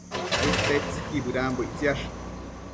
Aidtetsëqui bëdambo ictsiash